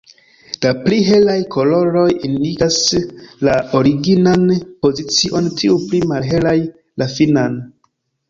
La pli helaj koloroj indikas la originan pozicion, tiuj pli malhelaj la finan.